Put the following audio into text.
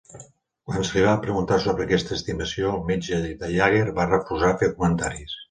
Quan se li va preguntar sobre aquesta estimació, el metge de Yager va refusar fer comentaris.